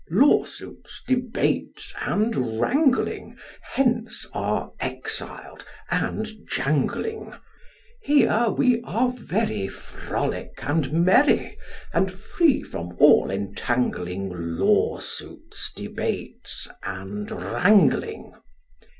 Lawsuits, debates, and wrangling Hence are exiled, and jangling. Here we are very Frolic and merry, And free from all entangling, Lawsuits, debates, and wrangling.